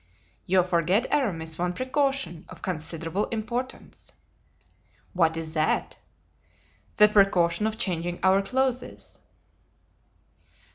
"You forget, Aramis, one precaution of considerable importance." "What is that?" "The precaution of changing our clothes."